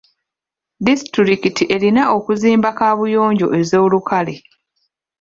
Disitulikiti erina okuzimba kaabuyonjo ez'olukale.